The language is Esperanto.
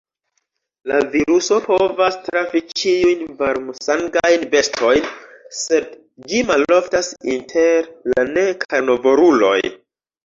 La viruso povas trafi ĉiujn varm-sangajn bestojn, sed ĝi maloftas inter la ne-karnovoruloj.